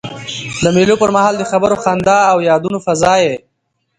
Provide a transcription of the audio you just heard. د مېلو پر مهال د خبرو، خندا او یادونو فضا يي.